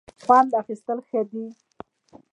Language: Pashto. خوند اخیستل ښه دی.